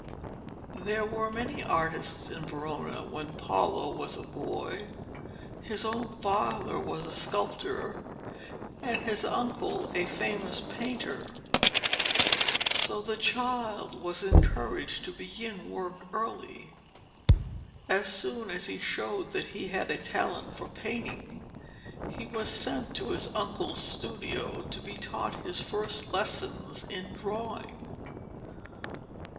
There were many artists in Verona when Paolo was a boy. His own father was a sculptor and his uncle a famous painter, so the child was encouraged to begin work early. As soon as he showed that he had a talent for painting, he was sent to his uncle's studio to be taught his first lessons in drawing.